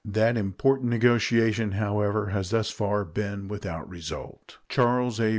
That important negotiation, however, has thus far been without result. Charles A.